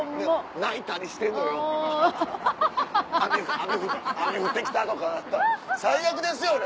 雨雨降って来たとか最悪ですよね。